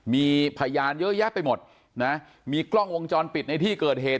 มีพยานเยอะแยะไปหมดนะมีกล้องวงจรปิดในที่เกิดเหตุ